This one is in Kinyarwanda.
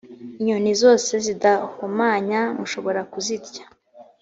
inyoni zose zidahumanya, mushobora kuzirya.